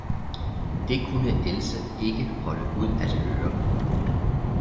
Det kunne Else ikke holde ud at høre.